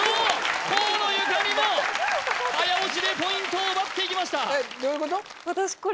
河野ゆかりも早押しでポイントを奪っていきましたどういうこと？